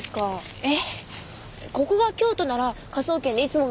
えっ？